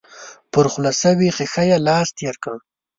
پر خوله شوې ښيښه يې لاس تېر کړ.